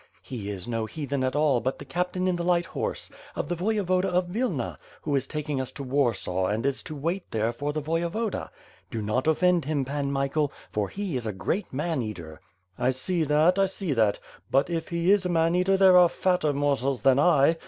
"' "He is no heathen at all, but the Captain in the light horse, of the Voyevoda of Vilna, who is taking us to Warsaw and is to wait there for the Voyevoda. Do not offend him, Pan Michael, for he is a great man eater/* "I see that, I see that; but if he is a man eater there are fatter morsels than I.